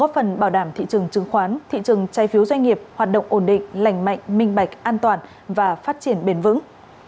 trường chứng khoán thị trường trai phiếu doanh nghiệp hoạt động ổn định lành mạnh minh bạch an toàn và phát triển bền vững